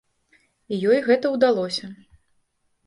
І ёй гэта ўдалося.